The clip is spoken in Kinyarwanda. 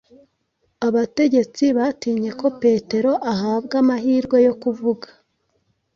abategetsi batinye ko Petero ahabwa amahirwe yo kuvuga